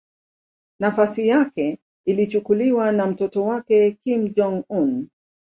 Nafasi yake ilichukuliwa na mtoto wake Kim Jong-un.